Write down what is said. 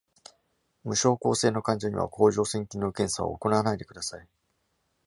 無症候性の患者には甲状腺機能検査を行わないでください。